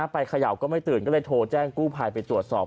เขย่าก็ไม่ตื่นก็เลยโทรแจ้งกู้ภัยไปตรวจสอบ